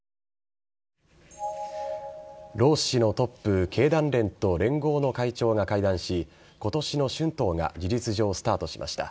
労使のトップ、経団連と連合の会長が会談し、ことしの春闘が事実上スタートしました。